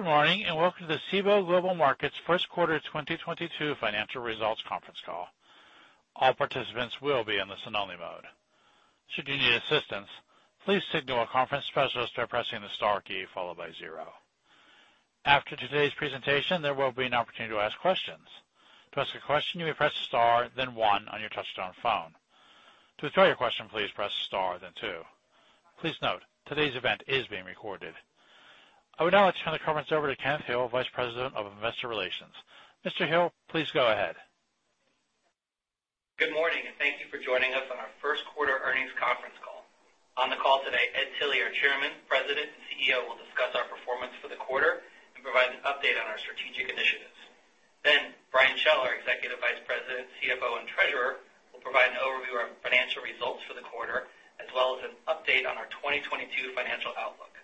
Good morning, and welcome to the Cboe Global Markets first quarter 2022 financial results conference call. All participants will be in the listen-only mode. Should you need assistance, please signal a conference specialist by pressing the star key followed by zero. After today's presentation, there will be an opportunity to ask questions. To ask a question, you may press star, then one on your touchtone phone. To withdraw your question, please press star, then two. Please note, today's event is being recorded. I would now like to turn the conference over to Ken Hill, Vice President of Investor Relations. Mr. Hill, please go ahead. Good morning, and thank you for joining us on our first quarter earnings conference call. On the call today, Ed Tilly, our Chairman, President, and CEO, will discuss our performance for the quarter and provide an update on our strategic initiatives. Brian Schell, our Executive Vice President, CFO, and Treasurer, will provide an overview of financial results for the quarter, as well as an update on our 2022 financial outlook.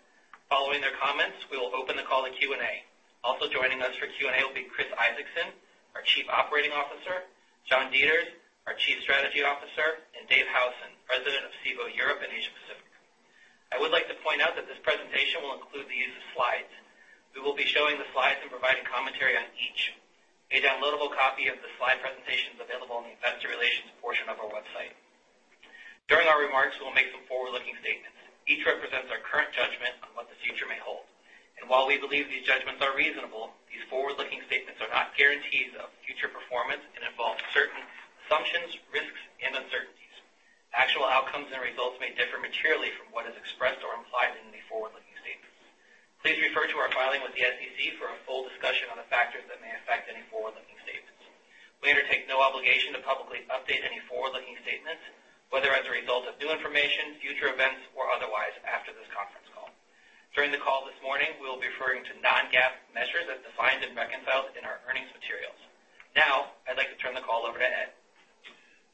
Following their comments, we will open the call to Q&A. Also joining us for Q&A will be Chris Isaacson, our Chief Operating Officer, John Deters, our Chief Strategy Officer, and David Howson, President of Cboe Europe and Asia Pacific. I would like to point out that this presentation will include the use of slides. We will be showing the slides and providing commentary on each. A downloadable copy of the slide presentation is available on the investor relations portion of our website. During our remarks, we'll make some forward-looking statements. Each represents our current judgment on what the future may hold. While we believe these judgments are reasonable, these forward-looking statements are not guarantees of future performance and involve certain assumptions, risks, and uncertainties. Actual outcomes and results may differ materially from what is expressed or implied in the forward-looking statements. Please refer to our filing with the SEC for a full discussion on the factors that may affect any forward-looking statements. We undertake no obligation to publicly update any forward-looking statements, whether as a result of new information, future events, or otherwise after this conference call. During the call this morning, we'll be referring to non-GAAP measures as defined and reconciled in our earnings materials. Now, I'd like to turn the call over to Ed.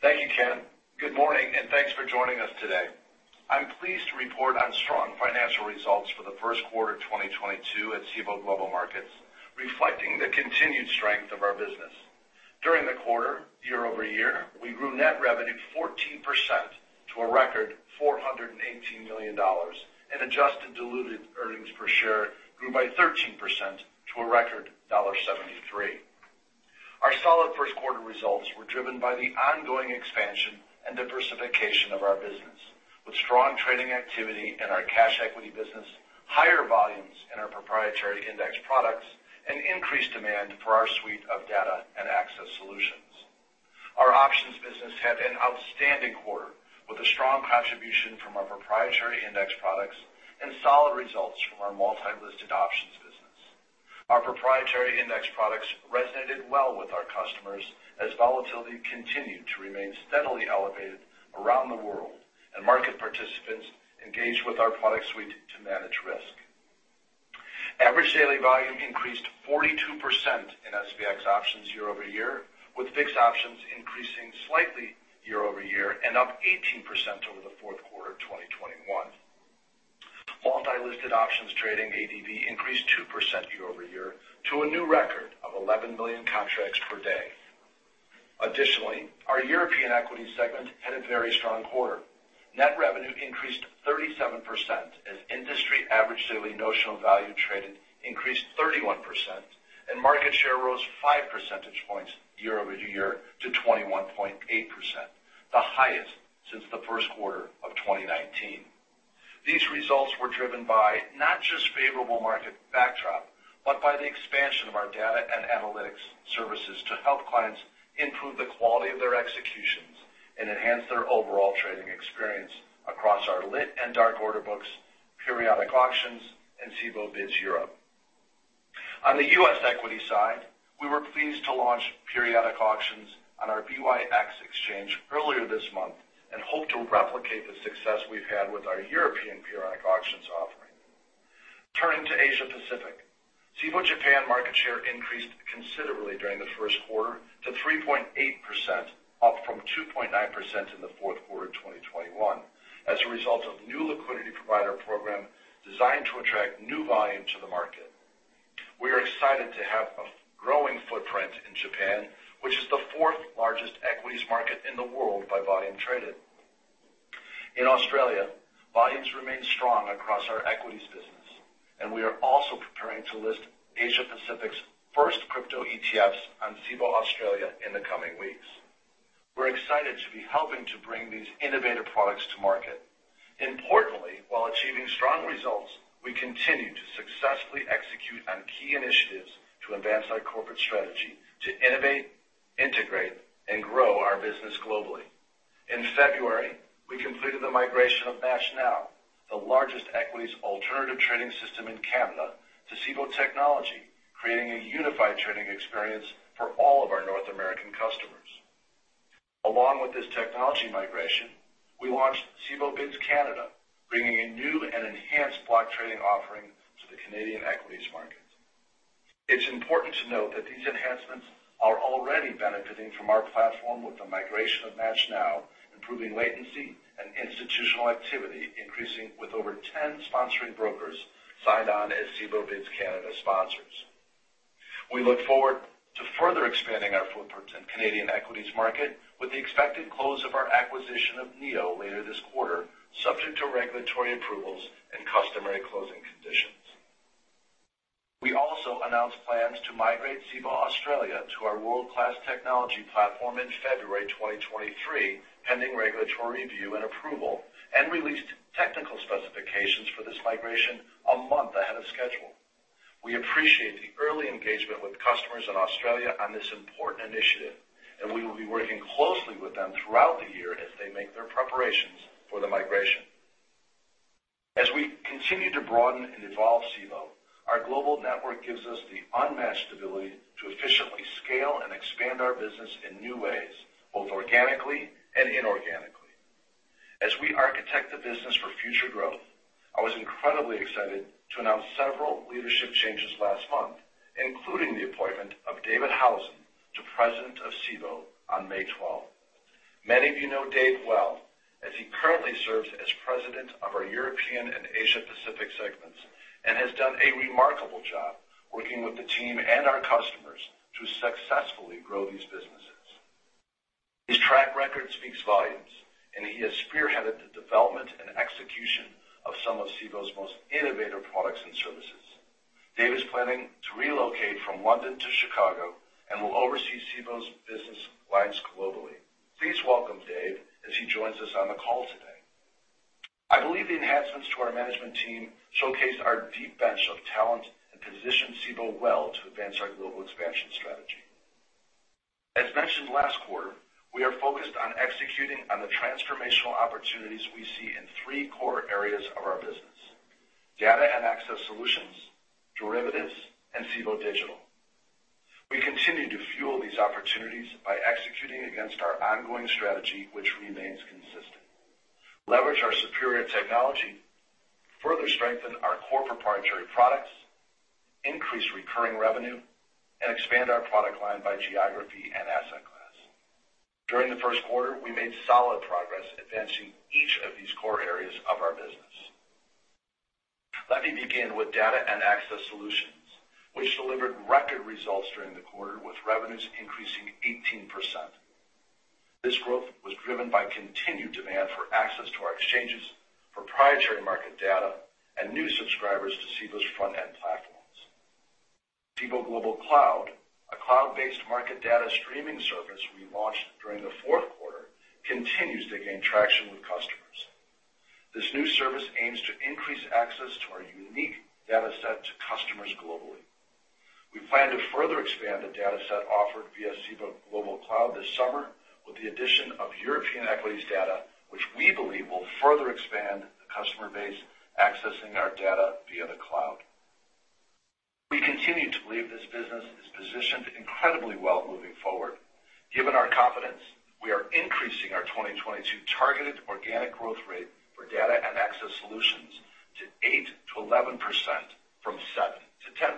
Thank you, Ken. Good morning, and thanks for joining us today. I'm pleased to report on strong financial results for the first quarter of 2022 at Cboe Global Markets, reflecting the continued strength of our business. During the quarter, year-over-year, we grew net revenue 14% to a record $418 million, and adjusted diluted earnings per share grew by 13% to a record $0.73. Our solid first quarter results were driven by the ongoing expansion and diversification of our business, with strong trading activity in our cash equity business, higher volumes in our proprietary index products, and increased demand for our suite of data and access solutions. Our options business had an outstanding quarter, with a strong contribution from our proprietary index products and solid results from our multi-listed options business. Our proprietary index products resonated well with our customers as volatility continued to remain steadily elevated around the world, and market participants engaged with our product suite to manage risk. Average daily volume increased 42% in SPX options year-over-year, with VIX options increasing slightly year-over-year and up 18% over the fourth quarter of 2021. Multi-listed options trading ADV increased 2% year-over-year to a new record of 11 million contracts per day. Additionally, our European equity segment had a very strong quarter. Net revenue increased 37% as industry average daily notional value traded increased 31%, and market share rose five percentage points year-over-year to 21.8%, the highest since the first quarter of 2019. These results were driven by not just favorable market backdrop, but by the expansion of our data and analytics services to help clients improve the quality of their executions and enhance their overall trading experience across our lit and dark order books, periodic auctions, and Cboe BIDS Europe. On the U.S. equity side, we were pleased to launch periodic auctions on our BYX exchange earlier this month and hope to replicate the success we've had with our European periodic auctions offering. Turning to Asia Pacific, Cboe Japan market share increased considerably during the first quarter to 3.8%, up from 2.9% in the fourth quarter of 2021, as a result of new liquidity provider program designed to attract new volume to the market. We are excited to have a growing footprint in Japan, which is the fourth largest equities market in the world by volume traded. In Australia, volumes remain strong across our equities business, and we are also preparing to list Asia Pacific's first crypto ETFs on Cboe Australia in the coming weeks. We're excited to be helping to bring these innovative products to market. Importantly, while achieving strong results, we continue to successfully execute on key initiatives to advance our corporate strategy to innovate, integrate, and grow our business globally. In February, we completed the migration of MATCHNow, the largest equities alternative trading system in Canada, to Cboe technology, creating a unified trading experience for all of our North American customers. Along with this technology migration, we launched Cboe BIDS Canada, bringing a new and enhanced block trading offering to the Canadian equities market. It's important to note that these enhancements are already benefiting from our platform with the migration of MATCHNow, improving latency and institutional activity increasing with over 10 sponsoring brokers signed on as Cboe BIDS Canada sponsors. We look forward to further expanding our footprint in Canadian equities market with the expected close of our acquisition of NEO later this quarter, subject to regulatory approvals and customary closing conditions. We also announced plans to migrate Cboe Australia to our world-class technology platform in February 2023, pending regulatory review and approval, and released technical specifications for this migration a month ahead of schedule. We appreciate the early engagement with customers in Australia on this important initiative, and we will be working closely with them throughout the year as they make their preparations for the migration. As we continue to broaden and evolve Cboe, our global network gives us the unmatched ability to efficiently scale and expand our business in new ways, both organically and inorganically. As we architect the business for future growth, I was incredibly excited to announce several leadership changes last month, including the appointment of David Howson to President of Cboe on May 12. Many of you know Dave well as he currently serves as president of our European and Asia Pacific segments and has done a remarkable job working with the team and our customers to successfully grow these businesses. His track record speaks volumes, and he has spearheaded the development and execution of some of Cboe's most innovative products and services. Dave is planning to relocate from London to Chicago and will oversee Cboe's business lines globally. Please welcome Dave as he joins us on the call today. I believe the enhancements to our management team showcase our deep bench of talent and position Cboe well to advance our global expansion strategy. As mentioned last quarter, we are focused on executing on the transformational opportunities we see in three core areas of our business: data and access solutions, derivatives, and Cboe Digital. We continue to fuel these opportunities by executing against our ongoing strategy, which remains consistent. Leverage our superior technology, further strengthen our core proprietary products, increase recurring revenue, and expand our product line by geography and asset class. During the first quarter, we made solid progress advancing each of these core areas of our business. Let me begin with data and access solutions, which delivered record results during the quarter, with revenues increasing 18%. This growth was driven by continued demand for access to our exchanges, proprietary market data, and new subscribers to Cboe's front-end platforms. Cboe Global Cloud, a cloud-based market data streaming service we launched during the fourth quarter, continues to gain traction with customers. This new service aims to increase access to our unique data set to customers globally. We plan to further expand the data set offered via Cboe Global Cloud this summer with the addition of European equities data, which we believe will further expand the customer base accessing our data via the cloud. We continue to believe this business is positioned incredibly well moving forward. Given our confidence, we are increasing our 2022 targeted organic growth rate for data and access solutions to 8%-11% from 7%-10%.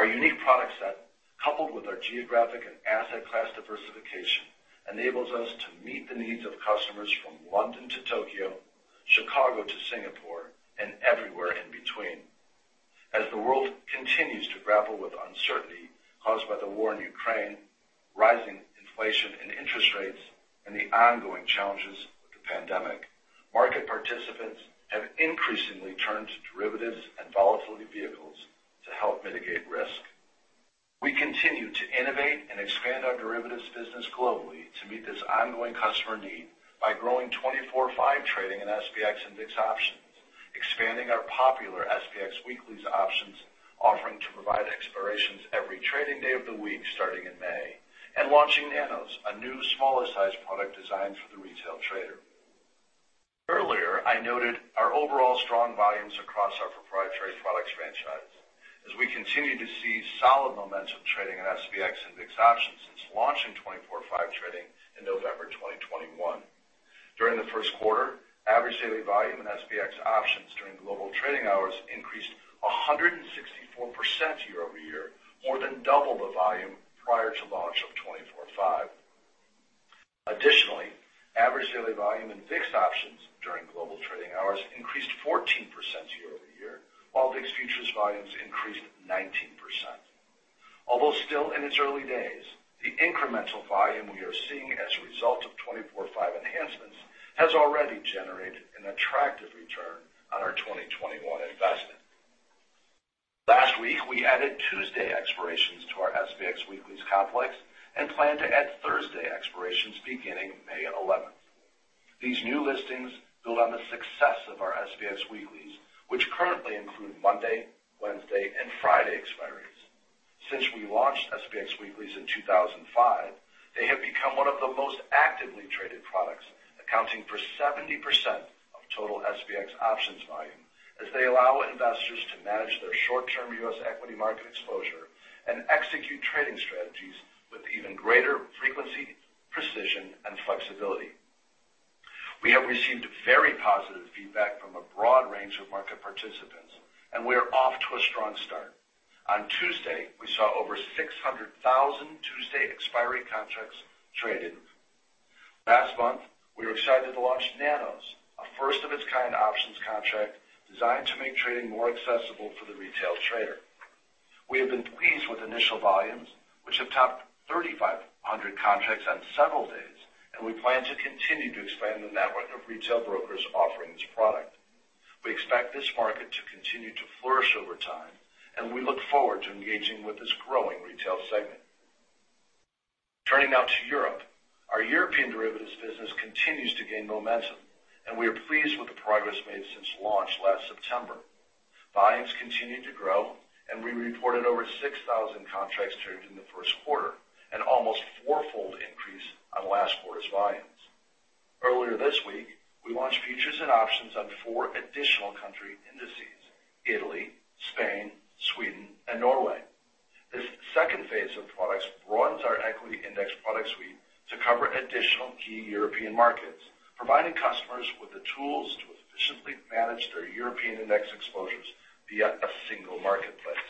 Our unique product set, coupled with our geographic and asset class diversification, enables us to meet the needs of customers from London to Tokyo, Chicago to Singapore, and everywhere in between. As the world continues to grapple with uncertainty caused by the war in Ukraine, rising inflation and interest rates, and the ongoing challenges of the pandemic, market participants have increasingly turned to derivatives and volatility vehicles to help mitigate risk. We continue to innovate and expand our derivatives business globally to meet this ongoing customer need by growing 24/5 trading in SPX index options, expanding our popular SPX Weeklys options offering to provide expirations every trading day of the week starting in May, and launching Nanos, a new smaller-sized product designed for the retail trader. Earlier, I noted our overall strong volumes across our proprietary products franchise as we continue to see solid momentum trading in SPX index options since launching 24/5 trading in November 2021. During the first quarter, average daily volume in SPX options during global trading hours increased 164% year-over-year, more than double the volume prior to launch of 24/5. Additionally, average daily volume in VIX options during global trading hours increased 14% year-over-year, while VIX futures volumes increased 19%. Although still in its early days, the incremental volume we are seeing as a result of 24/5 enhancements has already generated an attractive return on our 2021 investment. Last week, we added Tuesday expirations to our SPX Weeklys complex and plan to add Thursday expirations beginning May 11. These new listings build on the success of our SPX Weeklys, which currently include Monday, Wednesday, and Friday expiries. Since we launched SPX Weeklys in 2005, they have become one of the most actively traded products, accounting for 70% of total SPX options volume as they allow investors to manage their short-term US equity market exposure and execute trading strategies with even greater frequency, precision, and flexibility. We have received very positive feedback from a broad range of market participants, and we are off to a strong start. On Tuesday, we saw over 600,000 Tuesday expiry contracts traded. Last month, we were excited to launch Nanos, a first of its kind options contract designed to make trading more accessible for the retail trader. We have been pleased with initial volumes, which have topped 3,500 contracts on several days, and we plan to continue to expand the network of retail brokers offering this product. We expect this market to continue to flourish over time, and we look forward to engaging with this growing retail segment. Turning now to Europe. Our European derivatives business continues to gain momentum, and we are pleased with the progress made since launch last September. Volumes continued to grow, and we reported over 6,000 contracts traded in the first quarter, an almost four-fold increase on last quarter's volumes. Earlier this week, we launched futures and options on four additional country indices, Italy, Spain, Sweden, and Norway. This second phase of products broadens our equity index product suite to cover additional key European markets, providing customers with the tools to efficiently manage their European index exposures via a single marketplace.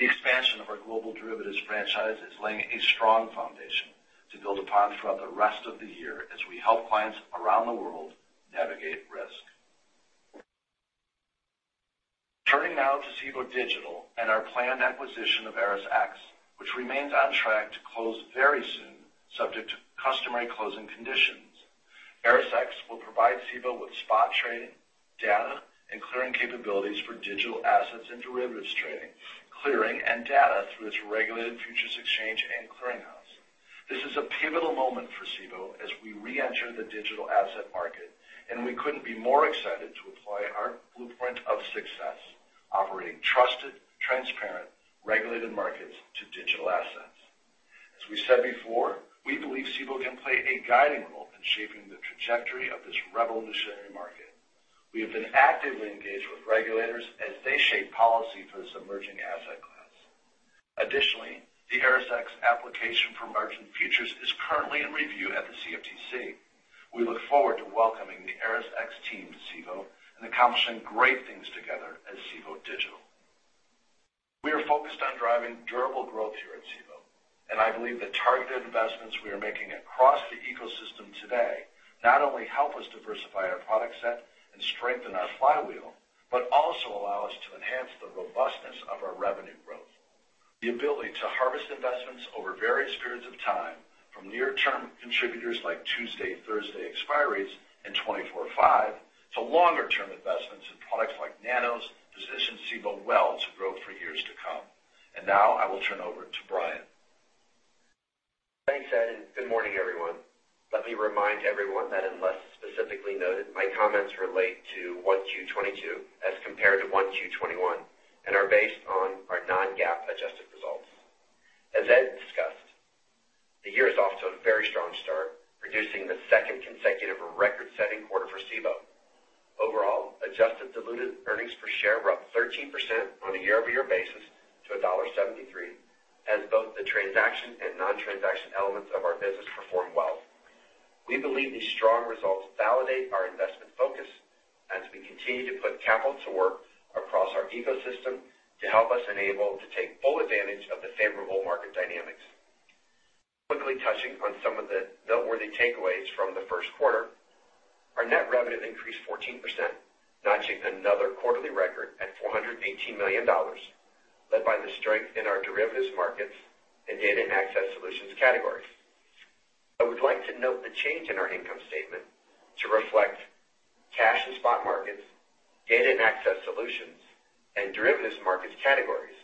The expansion of our global derivatives franchise is laying a strong foundation to build upon throughout the rest of the year as we help clients around the world navigate risk. Turning now to Cboe Digital and our planned acquisition of ErisX, which remains on track to close very soon subject to customary closing conditions. ErisX will provide Cboe with spot trading, data, and clearing capabilities for digital assets and derivatives trading, clearing and data through its regulated futures exchange and clearinghouse. This is a pivotal moment for Cboe as we re-enter the digital asset market, and we couldn't be more excited to apply our blueprint of success, operating trusted, transparent, regulated markets to digital assets. As we said before, we believe Cboe can play a guiding role in shaping the trajectory of this revolutionary market. We have been actively engaged with regulators as they shape policy for this emerging asset class. Additionally, the ErisX application for margin futures is currently in review at the CFTC. We look forward to welcoming the ErisX team to Cboe and accomplishing great things together as Cboe Digital. We are focused on driving durable growth here at Cboe, and I believe the targeted investments we are making across the ecosystem today not only help us diversify our product set and strengthen our flywheel, but also allow us to enhance the robustness of our revenue growth. The ability to harvest investments over various periods of time from near term contributors like Tuesday and Thursday expiries and 24/5, to longer term investments in products like Nanos positions Cboe well to grow for years to come. Now I will turn over to Brian. Thanks, Ed, and good morning, everyone. Let me remind everyone that unless specifically noted, my comments relate to 1Q 2022 as compared to 1Q 2021 and are based on our non-GAAP adjusted results. As Ed discussed, the year is off to a very strong start, producing the second consecutive record-setting quarter for Cboe. Overall, adjusted diluted earnings per share were up 13% on a year-over-year basis to $1.73 as both the transaction and non-transaction elements of our business performed well. We believe these strong results validate our investment focus as we continue to put capital to work across our ecosystem to help us enable to take full advantage of the favorable market dynamics. Quickly touching on some of the noteworthy takeaways from the first quarter, our net revenue increased 14%, notching another quarterly record at $418 million, led by the strength in our derivatives markets and data and access solutions categories. I would like to note the change in our income statement to reflect cash and spot markets, data and access solutions, and derivatives markets categories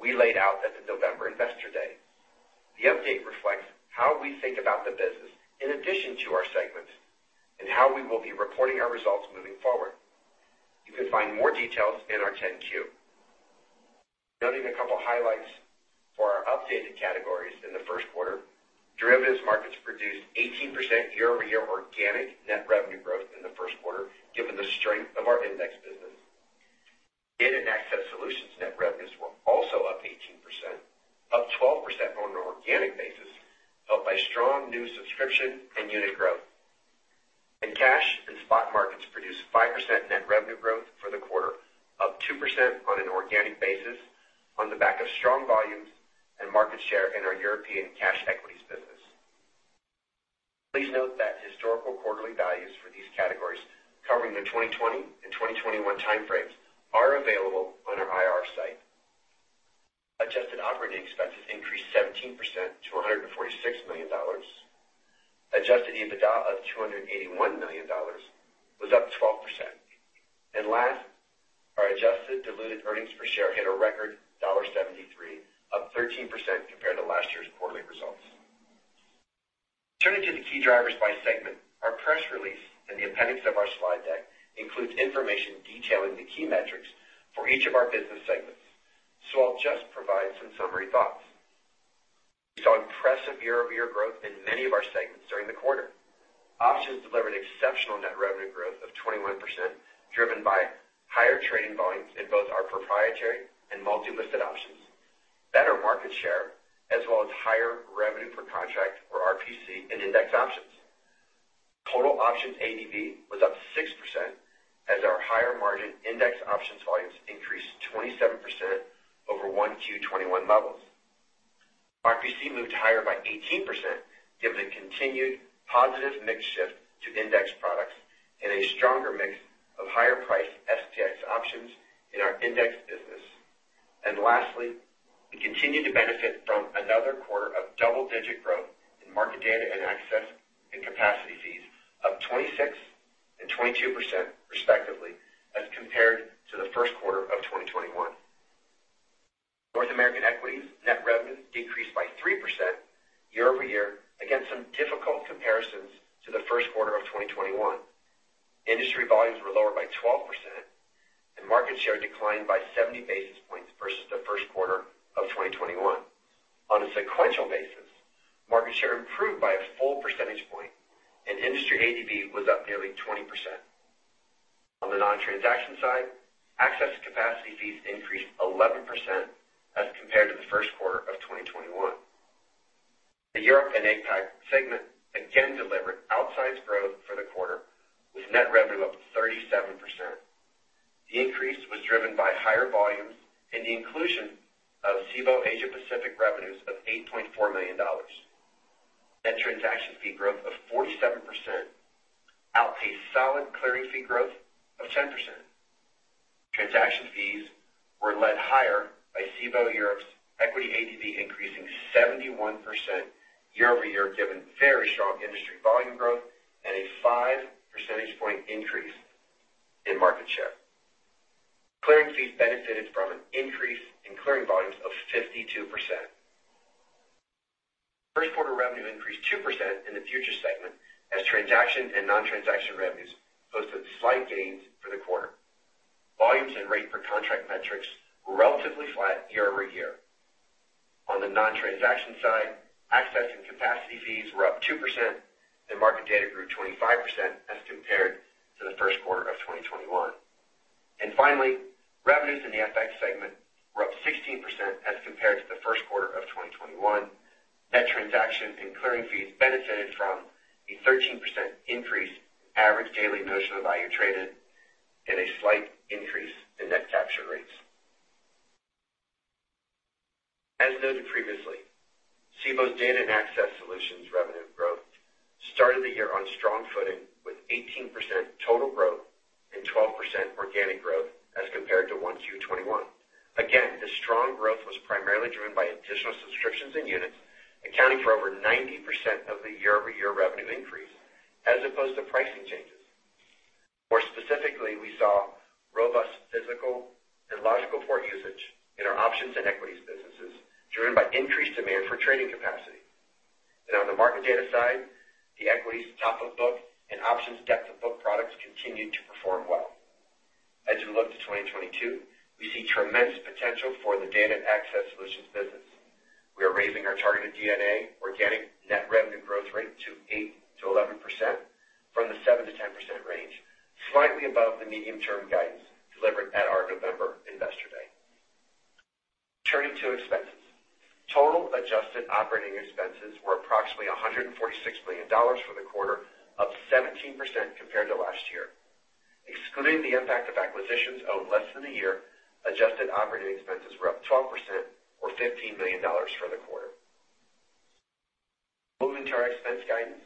we laid out at the November Investor Day. The update reflects how we think about the business in addition to our segments and how we will be reporting our results moving forward. You can find more details in our 10-Q. Noting a couple highlights for our updated categories in the first quarter, derivatives markets produced 18% year-over-year organic net revenue growth in the first quarter, given the strength of our index business. Data and access solutions net revenues were also up 18%, up 12% on an organic basis, helped by strong new subscription and unit growth. Cash and spot markets produced 5% net revenue growth for the quarter, up 2% on an organic basis on the back of strong volumes and market share in our European cash equities business. Please note that historical quarterly values for these categories covering the 2020 and 2021 time frames are available on our IR site. Adjusted operating expenses increased 17% to $146 million. Adjusted EBITDA of $281 million was up 12%. Last, our adjusted diluted earnings per share hit a record $0.73, up 13% compared to last year's quarterly results. Turning to the key drivers by segment, our press release in the appendix of our slide deck includes information detailing the key metrics for each of our business segments. I'll just provide some summary thoughts. We saw impressive year-over-year growth in many of our segments during the quarter. Options delivered exceptional net revenue growth of 21%, driven by higher trading volumes in both our proprietary and multi-listed options, better market share as well as higher revenue per contract or RPC in index options. Total options ADV was up 6% as our higher margin index options volumes increased 27% over 1Q 2021 levels. RPC moved higher by 18% given the continued positive mix shift to index products and a stronger mix of higher price SPX options in our index business. Lastly, we continue to benefit from another quarter of double-digit growth in market data and access and capacity fees of 26% and 22% respectively, as compared to the first quarter of 2021. North American equities net revenue decreased by 3% year-over-year against some difficult comparisons to the first quarter of 2021. Industry volumes were lower by 12% and market share declined by 70 basis points versus the first quarter of 2021. On a sequential basis, market share improved by a full percentage point and industry ADV was up nearly 20%. On the non-transaction side, access capacity fees increased 11% as compared to the first quarter of 2021. The Europe and APAC segment again delivered outsized growth for the quarter, with net revenue up 37%. The increase was driven by higher volumes and the inclusion of Cboe Asia Pacific revenues of $8.4 million. Net transaction fee growth of 47% outpaced solid clearing fee growth of 10%. Transaction fees were led higher by Cboe Europe's equity ADV increasing 71% year-over-year, given very strong industry volume growth and a five percentage point increase in market share. Clearing fees benefited from an increase in clearing volumes of 52%. First quarter revenue increased 2% in the futures segment as transaction and non-transaction revenues posted slight gains for the quarter. Volumes and rate per contract metrics were relatively flat year-over-year. On the non-transaction side, access and capacity fees were up 2% and market data grew 25% as compared to the first quarter of 2021. Finally, revenues in the FX segment were up 16% as compared to the first quarter of 2021. Net transaction and clearing fees benefited from a 13% increase in average daily notional value traded and a slight increase in net capture rates. As noted previously, Cboe's data and access solutions revenue growth started the year on strong footing, with 18% total growth and 12% organic growth as compared to 1Q 2021. Again, the strong growth was primarily driven by additional subscriptions and units accounting for over 90% of the year-over-year revenue increase as opposed to pricing changes. More specifically, we saw robust physical and logical port usage in our options and equities businesses, driven by increased demand for trading capacity. On the market data side, the equities top of book and options depth of book products continued to perform well. As we look to 2022, we see tremendous potential for the data and access solutions business. We are raising our targeted D&A organic net revenue growth rate to 8%-11% from the 7%-10% range, slightly above the medium-term guidance delivered at our November Investor Day. Turning to expenses. Total adjusted operating expenses were approximately $146 million for the quarter, up 17% compared to last year. Excluding the impact of acquisitions of less than a year, adjusted operating expenses were up 12% or $15 million for the quarter. Moving to our expense guidance,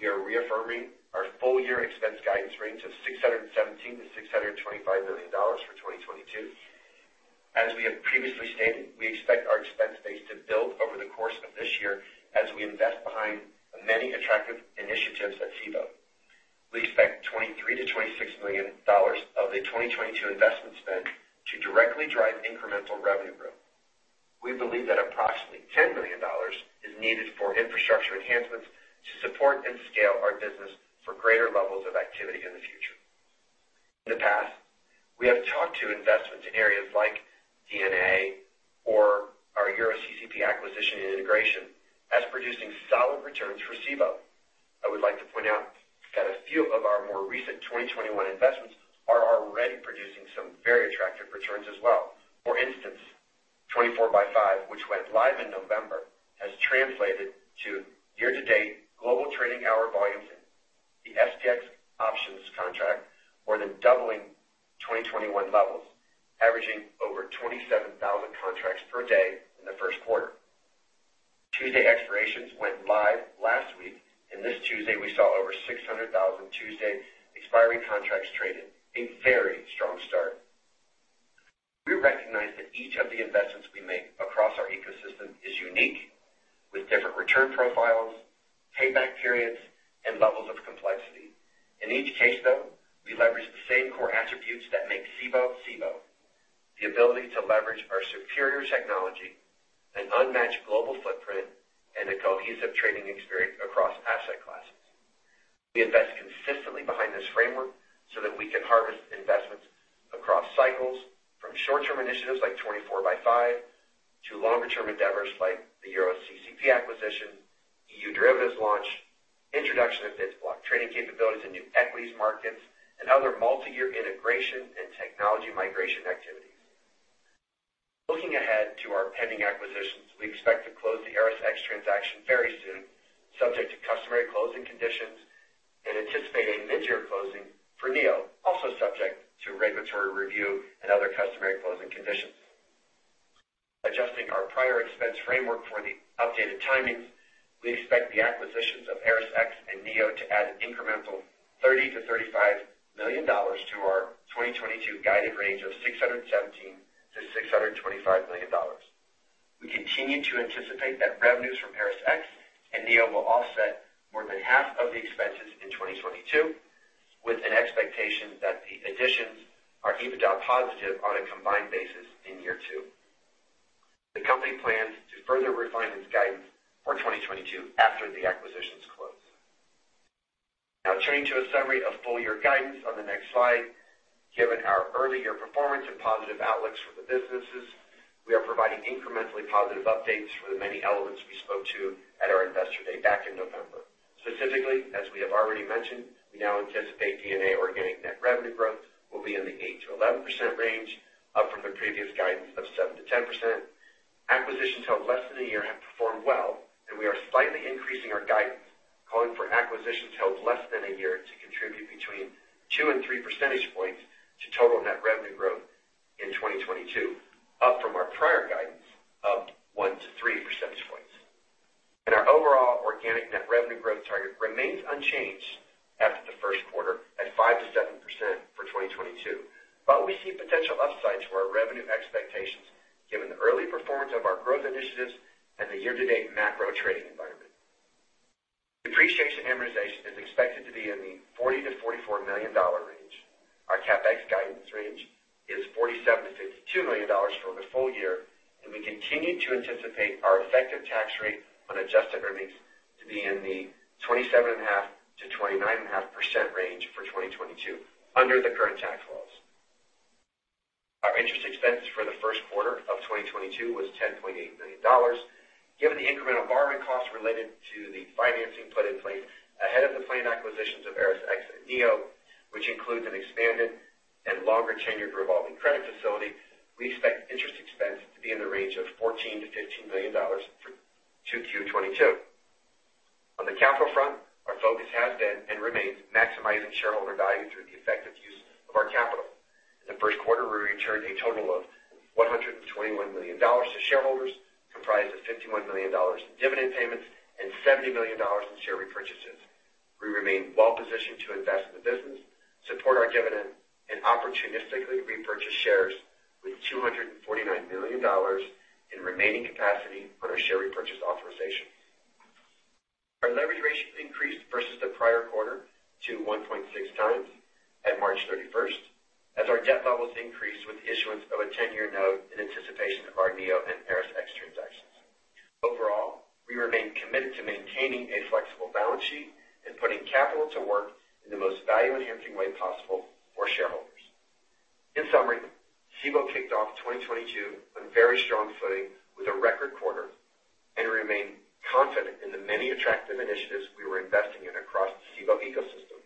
we are reaffirming our full year expense guidance range of $617 million-$625 million for 2022. As we have previously stated, we expect our expense base to build over the course of this year as we invest behind many attractive initiatives at Cboe. We expect $23 million-$26 million of the 2022 investment spend to directly drive incremental revenue growth. We believe that approximately $10 million is needed for infrastructure enhancements to support and scale our business for greater levels of activity in the future. In the past, we have talked to investments in areas like D&A or our EuroCCP acquisition and integration as producing solid returns for Cboe. I would like to point out that a few of our more recent 2021 investments are already producing some very attractive returns as well. For instance, 24/5, which went live in November, has translated to year-to-date global trading hour volumes in the SPX options contract, more than doubling 2021 levels, averaging over 27,000 contracts per day in the first quarter. Tuesday expirations went live last week, and this Tuesday we saw over 600,000 Tuesday expiry contracts traded. A very strong start. We recognize that each of the investments we make across our ecosystem is unique with different return profiles, payback periods, and levels of complexity. In each case, though, we leverage the same core attributes that make Cboe. The ability to leverage our superior technology, an unmatched global footprint, and a cohesive trading experience across asset classes. We invest consistently behind this framework so that we can harvest investments across cycles from short-term initiatives like 24/5 to longer-term endeavors like the EuroCCP acquisition, EU derivatives launch, introduction of BIDS block trading capabilities in new equities markets, and other multi-year integration and technology migration activities. Looking ahead to our pending acquisitions, we expect to close the ErisX transaction very soon, subject to customary closing conditions, and anticipating mid-year closing for NEO, also subject to regulatory review and other customary closing conditions. Adjusting our prior expense framework for the updated timings, we expect the acquisitions of ErisX and NEO to add an incremental $30 million-$35 million to our 2022 guided range of $617 million-$625 million. We continue to anticipate that revenues from ErisX and NEO will offset more than half of the expenses in 2022, with an expectation that the additions are EBITDA positive on a combined basis in year two. The company plans to further refine its guidance for 2022 after the acquisitions close. Now turning to a summary of full year guidance on the next slide. Given our early year performance and positive outlooks for the businesses, we are providing incrementally positive updates for the many elements we spoke to at our Investor Day back in November. Specifically, as we have already mentioned, we now anticipate D&A organic net revenue growth will be in the 8%-11% range, up from the previous guidance of 7%-10%. Acquisitions held less than a year have performed well, and we are slightly increasing our guidance, calling for acquisitions held less than a year to contribute between 2-3 percentage points to total net revenue growth in 2022, up from our prior guidance of 1-3 percentage points. Our overall organic net revenue growth target remains unchanged after the first quarter at 5%-7% for 2022. We see potential upsides for our revenue expectations given the early performance of our growth initiatives and the year-to-date macro trading environment. Depreciation and amortization is expected to be in the $40 million-$44 million range. Our CapEx guidance range is $47 million-$62 million for the full year, and we continue to anticipate our effective tax rate on adjusted earnings to be in the 27.5%-29.5% range for 2022 under the current tax laws. Our interest expense for the first quarter of 2022 was $10.8 million. Given the incremental borrowing costs related to the financing put in place ahead of the planned acquisitions of ErisX and NEO, which includes an expanded and longer-term revolving credit facility, we expect interest expense to be in the range of $14 million-$15 million for Q2 2022. On the capital front, our focus has been and remains maximizing shareholder value through the effective use of our capital. In the first quarter, we returned a total of $121 million to shareholders, comprised of $51 million in dividend payments and $70 million in share repurchases. We remain well-positioned to invest in the business, support our dividend, and opportunistically repurchase shares with $249 million in remaining capacity on our share repurchase authorization. Our leverage ratio increased versus the prior quarter to 1.6x at March 31st, as our debt levels increased with the issuance of a 10-year note in anticipation of our NEO and ErisX transactions. Overall, we remain committed to maintaining a flexible balance sheet and putting capital to work in the most value-enhancing way possible for shareholders. In summary, Cboe kicked off 2022 on very strong footing with a record quarter and remain confident in the many attractive initiatives we were investing in across the Cboe ecosystem.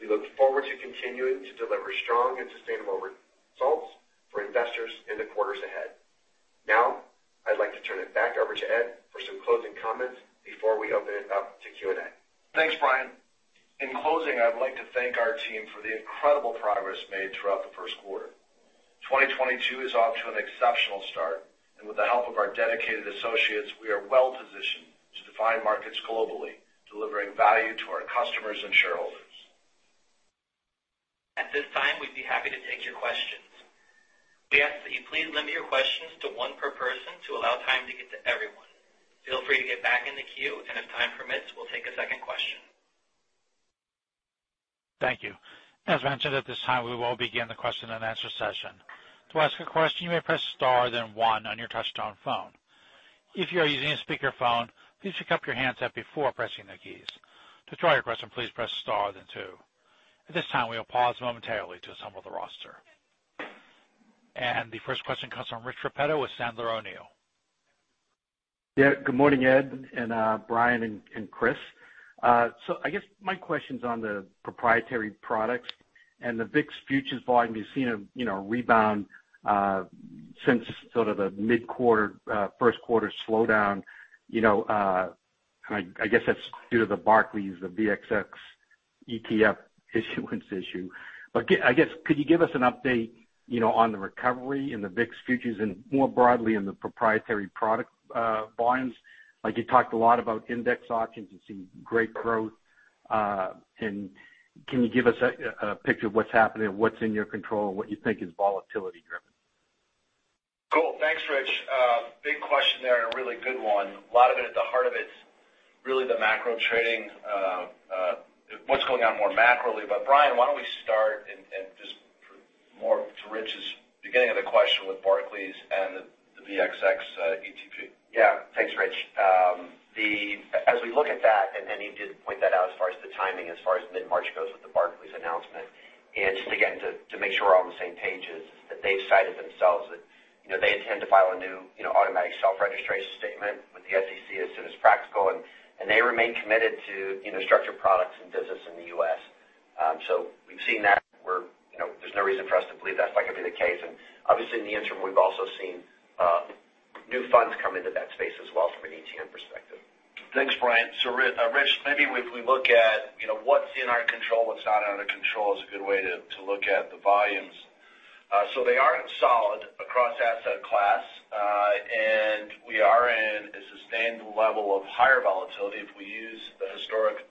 We look forward to continuing to deliver strong and sustainable results for investors in the quarters ahead. Now, I'd like to turn it back over to Ed for some closing comments before we open it up to Q&A. Thanks, Brian. In closing, I'd like to thank our team for the incredible progress made throughout the first quarter. 2022 is off to an exceptional start, and with the help of our dedicated associates, we are well-positioned to define markets globally, delivering value to our customers and shareholders. At this time, we'd be happy to take your questions. We ask that you please limit your questions to one per person to allow time to get to everyone. Feel free to get back in the queue, and if time permits, we'll take a second question. Thank you. As mentioned, at this time, we will begin the question-and-answer session. To ask a question, you may press star then one on your touchtone phone. If you are using a speakerphone, please pick up your handset before pressing the keys. To withdraw your question, please press star then two. At this time, we will pause momentarily to assemble the roster. The first question comes from Rich Repetto with Piper Sandler. Yeah. Good morning, Ed and Brian and Chris. I guess my question's on the proprietary products and the VIX futures volume. You've seen a, you know, rebound since sort of the mid-quarter first quarter slowdown. You know, I guess that's due to the Barclays, the VXX ETN issuance issue. But I guess, could you give us an update, you know, on the recovery in the VIX futures and more broadly in the proprietary product volumes? Like, you talked a lot about index options. You've seen great growth. Can you give us a picture of what's happening and what's in your control and what you think is volatility-driven? Cool. Thanks, Rich. Big question there and a really good one. A lot of it at the heart of it's really the macro trading, what's going on more macroly. But Brian, why don't we start and just more to Rich's beginning of the question with Barclays and the VXX ETP. Yeah. Thanks, Rich. As we look at that, Ed did point that out as far as the timing, as far as mid-March goes with the Barclays announcement. Just, again, to make sure we're all on the same page is that they've said it themselves that, you know, they intend to file an, you know, automatic shelf registration statement with the SEC as soon as practical. They remain committed to, you know, structured products and business in the U.S. So, we've seen that where, you know, there's no reason for us to believe that's not gonna be the case. Obviously, in the interim, we've also seen new funds come into that space as well from an ETN perspective. Thanks, Brian. Rich, maybe if we look at, you know, what's in our control, what's not under control is a good way to look at the volumes. They are solid across asset class. We are in a sustained level of higher volatility if we use the historic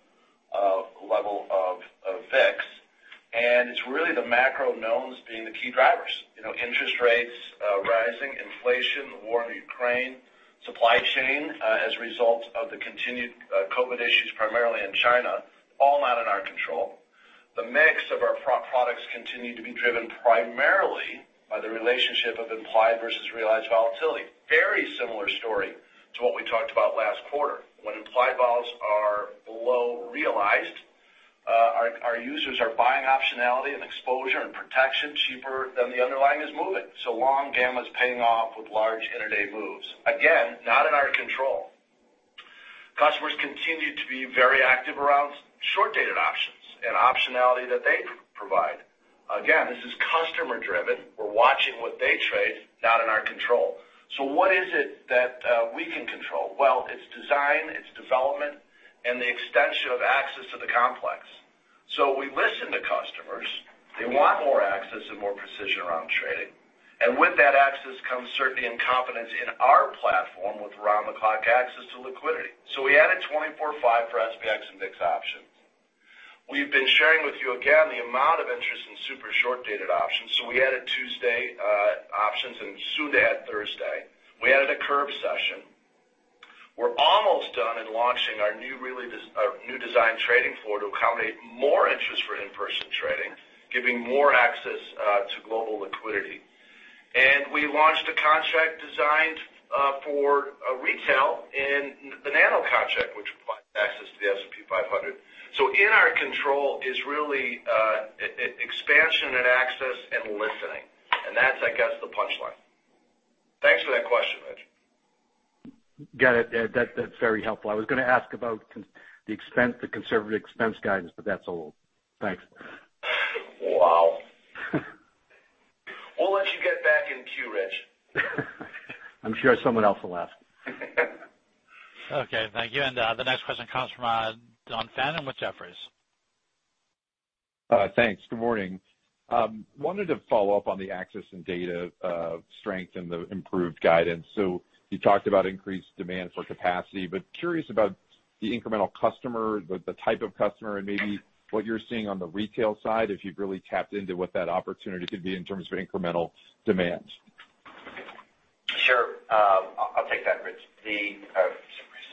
level of VIX. It's really the macro unknowns being the key drivers. You know, interest rates rising, inflation, the war in Ukraine, supply chain as a result of the continued COVID issues primarily in China, all not in our control. The mix of our products continue to be driven primarily by the relationship of implied versus realized volatility. Very similar story to what we talked about last quarter. When implied vols are below realized, our users are buying optionality and exposure and protection cheaper than the underlying is moving. Long gamma's paying off with large intraday moves. Again, not in our control. Customers continue to be very active around short-dated options and optionality that they provide. Again, this is customer driven. We're watching what they trade, not in our control. What is it that we can control? Well, it's design, its development, and the extension of access to the complex. We listen to customers. They want more access and more precision around trading. With that access comes certainty and confidence in our platform with round-the-clock access to liquidity. We added 24/5 for SPX and VIX options. We've been sharing with you again the amount of interest in super short-dated options. We added Tuesday options and soon to add Thursday. We added a curve session. We're almost done in launching our new design trading floor to accommodate more interest for in-person trading, giving more access to global liquidity. We launched a contract designed for retail and the nano contract, which provides access to the S&P 500. In our control is really expansion and access and listening. That's, I guess, the punchline. Thanks for that question, Rich. Got it. That's very helpful. I was gonna ask about the expense, the conservative expense guidance, but that's all. Thanks. Wow. We'll let you get back in queue, Rich. I'm sure someone else will ask. Okay, thank you. The next question comes from Dan Fannon with Jefferies. Thanks. Good morning. Wanted to follow up on the access and data strength and the improved guidance. You talked about increased demand for capacity, but curious about the incremental customer, the type of customer, and maybe what you're seeing on the retail side, if you've really tapped into what that opportunity could be in terms of incremental demand. Sure. I'll take that, Rich.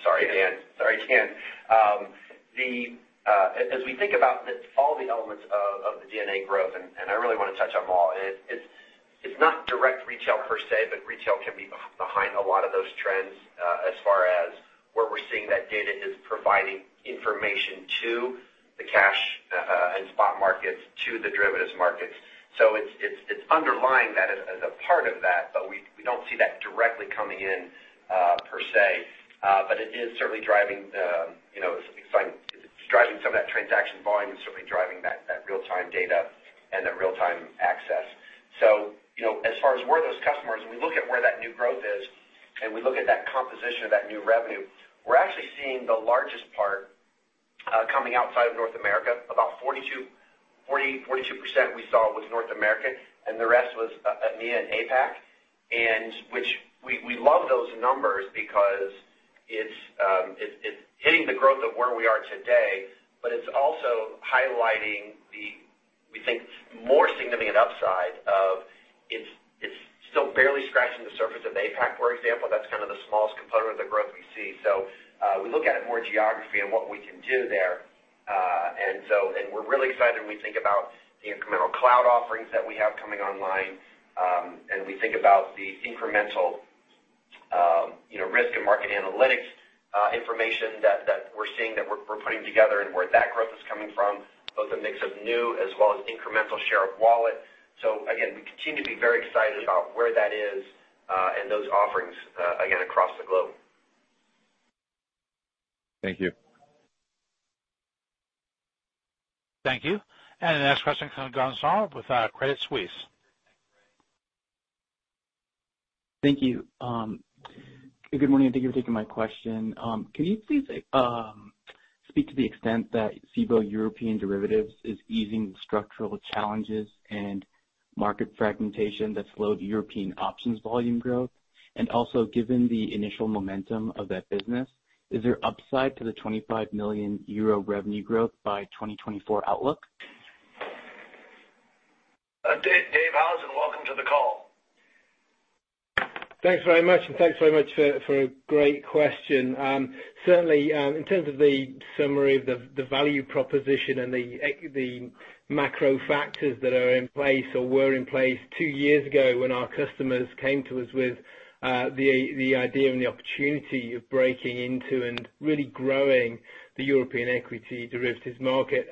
Sorry, Dan. As we think about all the elements of the D&A growth, and I really wanna touch on them all, it's not direct retail per se, but retail can be behind a lot of those trends, as far as where we're seeing that data is providing information to the cash and spot markets to the derivatives markets. So, it's underlying that as a part of that, but we don't see that directly coming in per se. But it is certainly driving, you know, it's exciting. It's driving some of that transaction volume and certainly driving that real-time data and that real-time access. You know, as far as where those customers, and we look at where that new growth is and we look at that composition of that new revenue, we're actually seeing the largest part coming outside of North America. About 42% we saw was North America, and the rest was EMEA and APAC. Which we love those numbers because it's hitting the growth of where we are today, but it's also highlighting the, we think more significant upside of it's still barely scratching the surface of APAC, for example. That's kind of the smallest component of the growth we see. We look at it more geography and what we can do there. We're really excited when we think about the incremental cloud offerings that we have coming online, and we think about the incremental, you know, risk and market analytics information that we're seeing that we're putting together and where that growth is coming from, both a mix of new as well as incremental share of wallet. Again, we continue to be very excited about where that is, and those offerings, again, across the globe. Thank you. Thank you. The next question comes from Gautam Sawant with Credit Suisse. Thank you. Good morning, and thank you for taking my question. Can you please speak to the extent that Cboe European Derivatives is easing structural challenges and market fragmentation that slowed the European options volume growth? Also, given the initial momentum of that business, is there upside to the 25 million euro revenue growth by 2024 outlook? David Howson, welcome to the call. Thanks very much for a great question. Certainly, in terms of the summary, the value proposition and the macro factors that are in place or were in place two years ago when our customers came to us with the idea and the opportunity of breaking into and really growing the European equity derivatives market,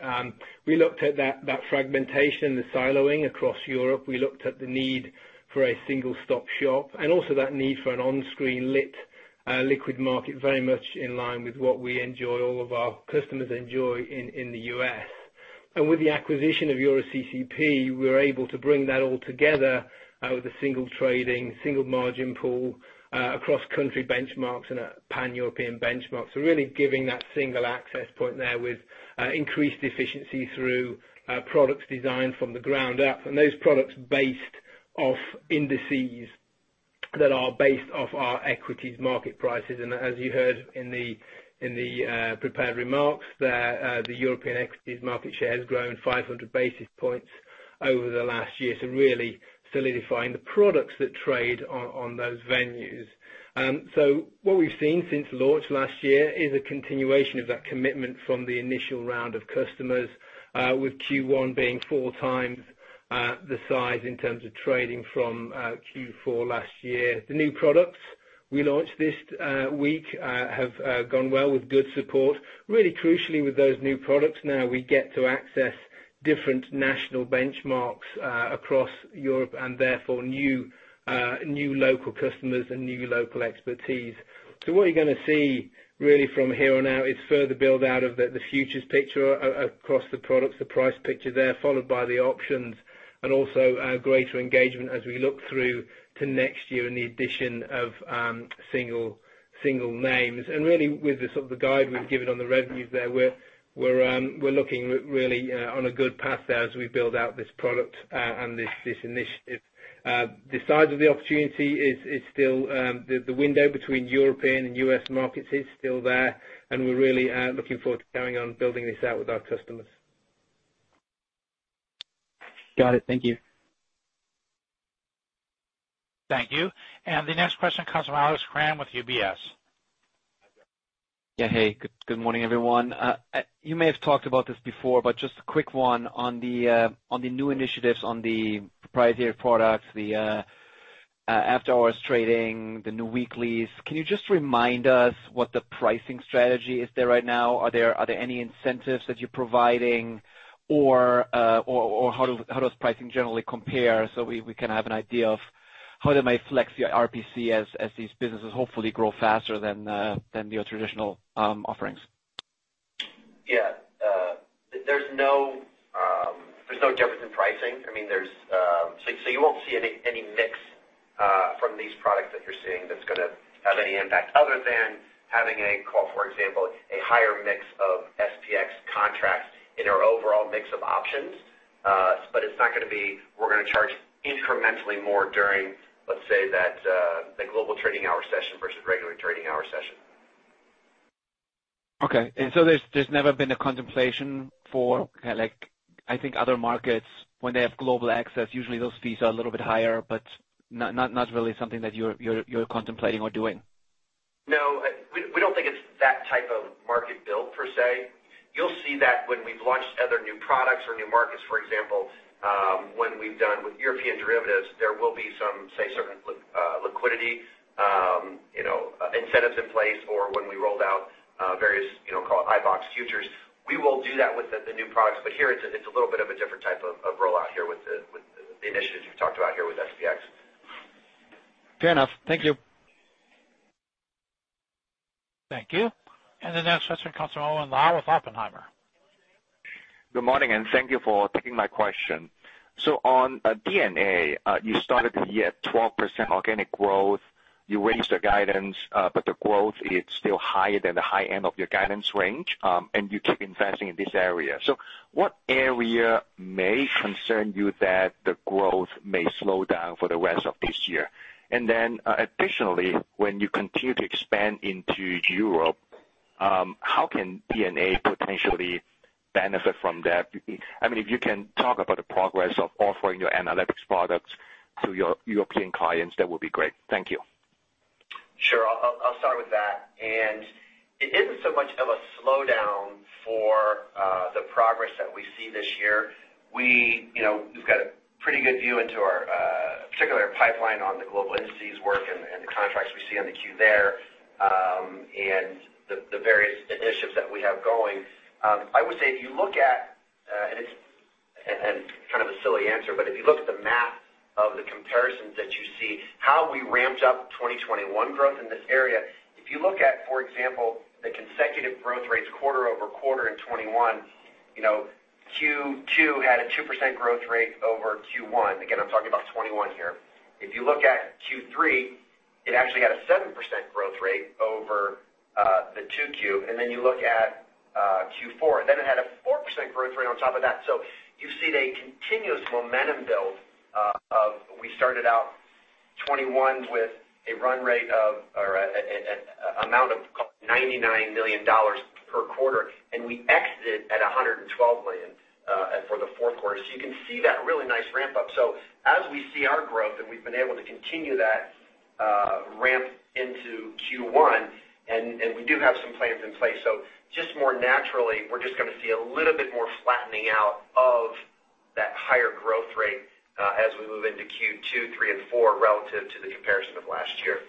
we looked at that fragmentation, the siloing across Europe. We looked at the need for a one-stop shop and also that need for an on-screen lit liquid market very much in line with what we enjoy, all of our customers enjoy in the U.S. With the acquisition of EuroCCP, we're able to bring that all together with a single trading, single margin pool across country benchmarks and Pan-European benchmarks. We're really giving that single access point there with increased efficiency through products designed from the ground up, and those products based off indices that are based off our equities market prices. As you heard in the prepared remarks, the European equities market share has grown 500 basis points over the last year, so really solidifying the products that trade on those venues. What we've seen since launch last year is a continuation of that commitment from the initial round of customers, with Q1 being four times the size in terms of trading from Q4 last year. The new products we launched this week have gone well with good support. Really crucially with those new products now we get to access different national benchmarks across Europe, and therefore new local customers and new local expertise. What you're gonna see really from here on out is further build out of the futures picture across the products, the price picture there, followed by the options and also greater engagement as we look through to next year and the addition of single names. Really with the sort of guide we've given on the revenues there, we're looking really on a good path there as we build out this product and this initiative. The size of the opportunity is still the window between European and U.S. markets is still there, and we're really looking forward to carrying on building this out with our customers. Got it. Thank you. Thank you. The next question comes from Alex Kramm with UBS. Yeah. Hey, good morning, everyone. You may have talked about this before, but just a quick one on the new initiatives on the proprietary products, the after-hours trading, the new weeklies. Can you just remind us what the pricing strategy is there right now? Are there any incentives that you're providing? Or how does pricing generally compare so we can have an idea of how that may flex your RPC as these businesses hopefully grow faster than your traditional offerings? There's no difference in pricing. I mean, you won't see any mix from these products that you're seeing that's gonna have any impact other than, for example, a higher mix of SPX contracts in our overall mix of options. It's not gonna be. We're gonna charge incrementally more during, let's say, the global trading hour session versus regular trading hour session. Okay. There's never been a contemplation for kind of like, I think other markets when they have global access, usually those fees are a little bit higher, but not really something that you're contemplating or doing. No. We don't think it's that type of market build per se. You'll see that when we've launched other new products or new markets, for example, when we've done with European derivatives, there will be some, say, certain liquidity, you know, incentives in place or when we rolled out various, you know, call it VIX futures. We will do that with the new products, but here it's a little bit of a different type of rollout here with the initiatives we've talked about here with SPX. Fair enough. Thank you. Thank you. The next question comes from Owen Lau with Oppenheimer. Good morning, and thank you for taking my question. On D&A, you started the year at 12% organic growth. You raised the guidance, but the growth is still higher than the high end of your guidance range, and you keep investing in this area. What area may concern you that the growth may slow down for the rest of this year? Then, additionally, when you continue to expand into Europe, how can D&A potentially benefit from that? I mean, if you can talk about the progress of offering your analytics products to your European clients, that would be great. Thank you. Sure. I'll start with that. It isn't so much of a slowdown for the progress that we see this year. You know, we've got a pretty good view into our particular pipeline on the global indices work and the contracts we see on the queue there, and the various initiatives that we have going. I would say if you look at... It's kind of a silly answer, but if you look at the math of the comparisons that you see, how we ramped up 2021 growth in this area, if you look at, for example, the consecutive growth rates quarter-over-quarter in 2021, you know, Q2 had a 2% growth rate over Q1. Again, I'm talking about 2021 here. If you look at Q3, it actually had a 7% growth rate over Q2. Then you look at Q4, it had a 4% growth rate on top of that. You see a continuous momentum build. We started out 2021 with a run rate of, or an amount of $99 million per quarter, and we exited at $112 million for the fourth quarter. You can see that really nice ramp up. As we see our growth, and we've been able to continue that ramp into Q1, and we do have some plans in place. Just more naturally, we're just gonna see a little bit more flattening out of that higher growth rate as we move into Q2, Q3, and Q4, relative to the comparison of last year.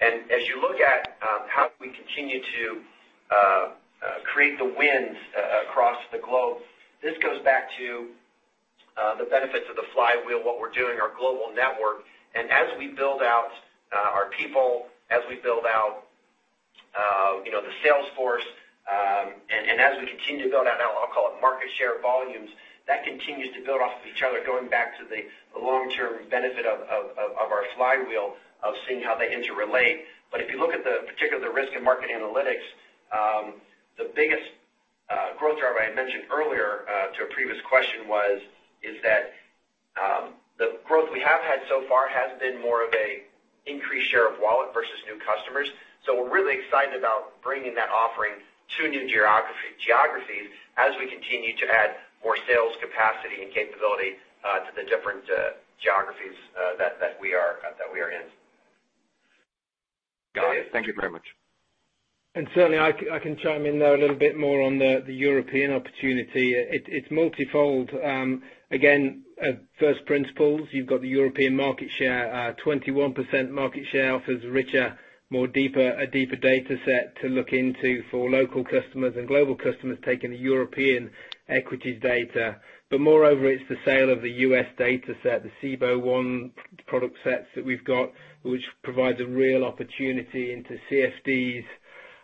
As you look at how we continue to create the wins across the globe, this goes back to the benefits of the flywheel, what we're doing, our global network. As we build out our people, as we build out, you know, the sales force. And as we continue to build out, I'll call it market share volumes, that continues to build off of each other, going back to the long-term benefit of our flywheel of seeing how they interrelate. If you look at the particular risk and market analytics, the biggest growth driver I had mentioned earlier to a previous question is that the growth we have had so far has been more of a increased share of wallet versus new customers. We're really excited about bringing that offering to new geographies as we continue to add more sales capacity and capability to the different geographies that we are in. Got it. Thank you very much. Certainly, I can chime in there a little bit more on the European opportunity. It's multifold. Again, first principles, you've got the European market share, 21% market share offers richer, deeper dataset to look into for local customers and global customers taking the European equities data. Moreover, it's the sale of the U.S. dataset, the Cboe One product sets that we've got, which provides a real opportunity into CFDs,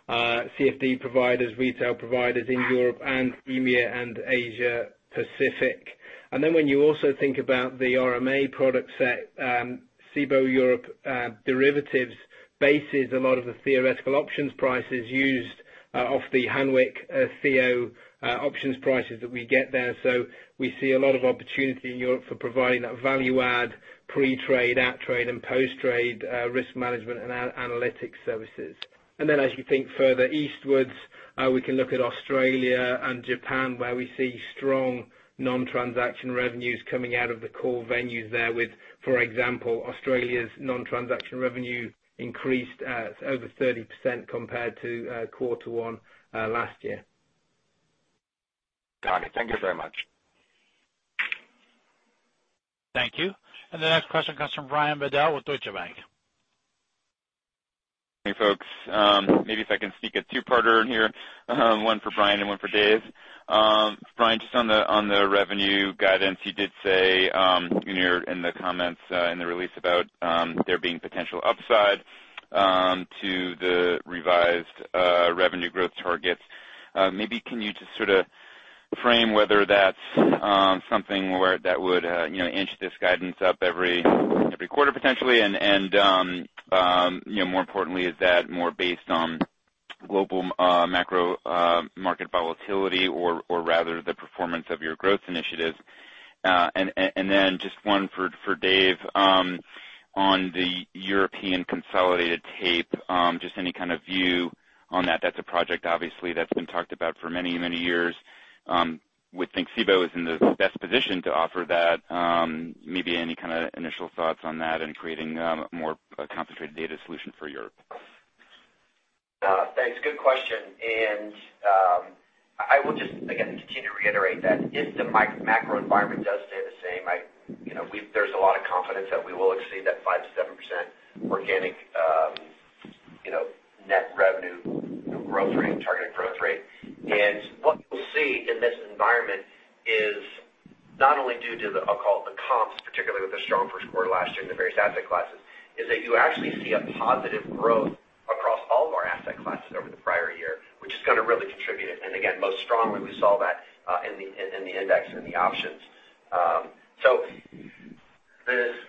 CFD providers, retail providers in Europe and EMEA and Asia Pacific. Then when you also think about the RMA product set, Cboe Europe derivatives bases a lot of the theoretical options prices used off the Hanweck Cboe options prices that we get there. We see a lot of opportunity in Europe for providing that value add pre-trade, at trade and post-trade, risk management and analytics services. As you think further eastwards, we can look at Australia and Japan where we see strong non-transaction revenues coming out of the core venues there with, for example, Australia's non-transaction revenue increased at over 30% compared to quarter one last year. Got it. Thank you very much. Thank you. The next question comes from Brian Bedell with Deutsche Bank. Hey, folks. Maybe if I can sneak a two-parter in here, one for Brian and one for Dave. Brian, just on the revenue guidance, you did say in the comments in the release about there being potential upside to the revised revenue growth targets. Maybe can you just sorta frame whether that's something where that would, you know, inch this guidance up every quarter potentially? And, you know, more importantly, is that more based on global macro market volatility or rather the performance of your growth initiatives? And then just one for Dave, on the European consolidated tape, just any kind of view on that. That's a project obviously that's been talked about for many years. Would think Cboe is in the best position to offer that. Maybe any kind of initial thoughts on that and creating more concentrated data solution for Europe. Thanks. Good question. I will just, again, continue to reiterate that if the macro environment does stay the same, you know, there's a lot of confidence that we will exceed that 5%-7% organic net revenue growth rate, targeted growth rate. What you'll see in this environment is not only due to the, I'll call it, the comps, particularly with the strong first quarter last year in the various asset classes, is that you actually see a positive growth across all of our asset classes over the prior year, which is gonna really contribute it. Again, most strongly, we saw that in the index and the options.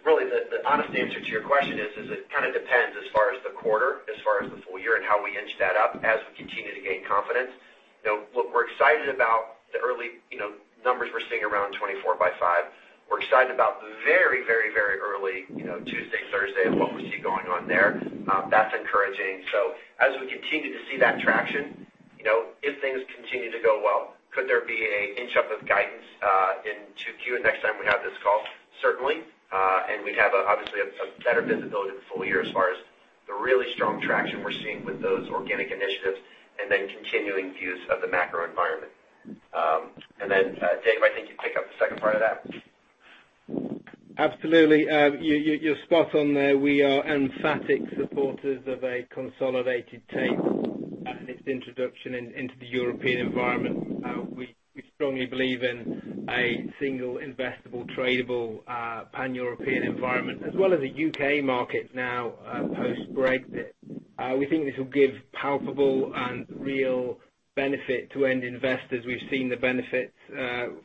Really, the honest answer to your question is it kind of depends as far as the quarter, as far as the full year, and how we inch that up as we continue to gain confidence. You know, look, we're excited about the early, you know, numbers we're seeing around 24 by 5. We're excited about very early, you know, Tuesday, Thursday and what we see going on there. That's encouraging. As we continue to see that traction, you know, if things continue to go well, could there be an inch up of guidance in Q next time we have this call? Certainly. We'd have, obviously a better visibility the full year as far as the really strong traction we're seeing with those organic initiatives and then continuing views of the macro environment. Dave, I think you'd pick up the second part of that. Absolutely. You're spot on there. We are emphatic supporters of a consolidated tape and its introduction into the European environment. We strongly believe in a single investable, tradable, pan-European environment as well as the U.K. market now, post-Brexit. We think this will give palpable and real benefit to end investors. We've seen the benefits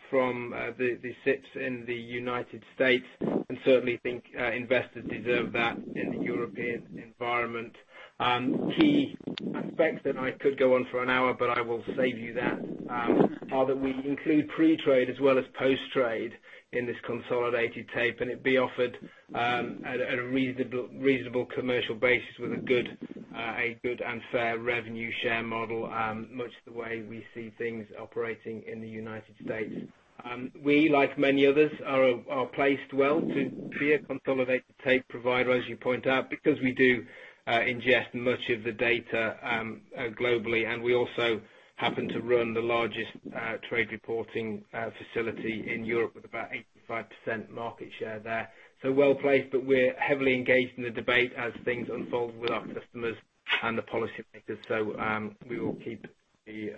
from the SIPs in the United States and certainly think investors deserve that in the European environment. Key aspects, and I could go on for an hour, but I will save you that, are that we include pre-trade as well as post-trade in this consolidated tape, and it be offered at a reasonable commercial basis with a good and fair revenue share model, much the way we see things operating in the United States. We, like many others, are placed well to be a consolidated tape provider, as you point out, because we do ingest much of the data globally. We also happen to run the largest trade reporting facility in Europe with about 85% market share there. Well-placed, but we're heavily engaged in the debate as things unfold with our customers and the policymakers. We will keep the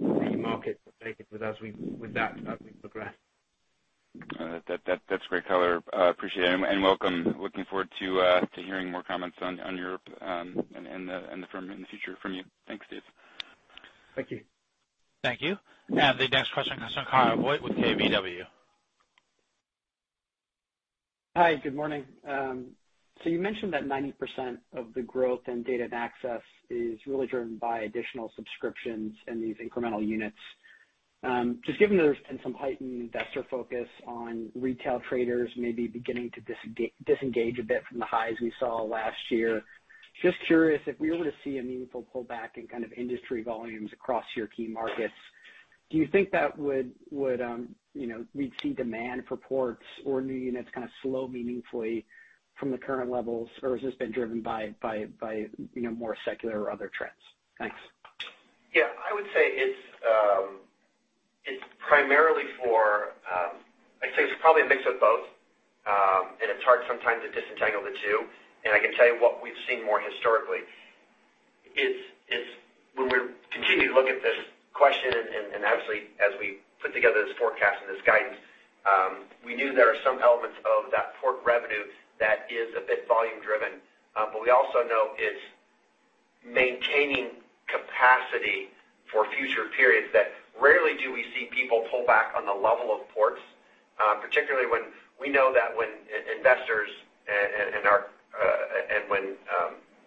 market updated with that as we progress. That's great color. Appreciate it, and welcome. Looking forward to hearing more comments on Europe, and the firm in the future from you. Thanks, David Howson. Thank you. Thank you. The next question comes from Kyle Voigt with KBW. Hi, good morning. So you mentioned that 90% of the growth in data and access is really driven by additional subscriptions and these incremental units. Just given there's been some heightened investor focus on retail traders maybe beginning to disengage a bit from the highs we saw last year, just curious if we were to see a meaningful pullback in kind of industry volumes across your key markets, do you think that would you know, we'd see demand for ports or new units kind of slow meaningfully from the current levels? Or has this been driven by you know, more secular or other trends? Thanks. Yeah. I'd say it's probably a mix of both, and it's hard sometimes to disentangle the two, and I can tell you what we've seen more historically. When we're continuing to look at this question and actually as we put together this forecast and this guidance, we knew there are some elements of that port revenue that is a bit volume-driven. But we also know it's maintaining capacity for future periods that rarely do we see people pull back on the level of ports, particularly when we know that when our investors and